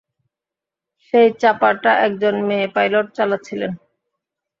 সেই চপারটা একজন মেয়ে পাইলট চালাচ্ছিল।